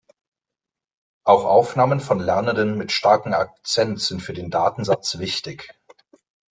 Auch Aufnahmen von Lernenden mit starkem Akzent sind für den Datensatz wichtig.